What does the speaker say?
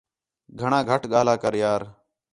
گھݨاں گھ ڳاہلا کر یار